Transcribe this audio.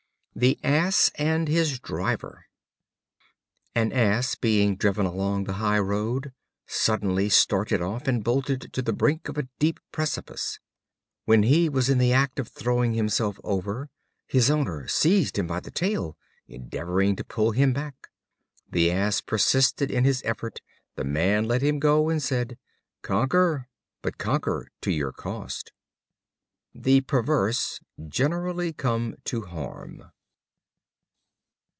The Ass and his Driver. An Ass, being driven along the high road, suddenly started off, and bolted to the brink of a deep precipice. When he was in the act of throwing himself over, his owner, seizing him by the tail, endeavored to pull him back. The Ass persisting in his effort, the man let him go, and said: "Conquer; but conquer to your cost." The perverse generally come to harm.